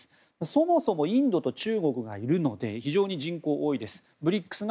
そもそもインドと中国がいるので非常に人口多いです。